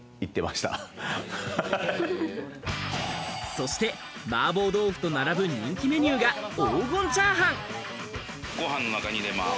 そして麻婆豆腐と並ぶ人気メニューが黄金炒飯。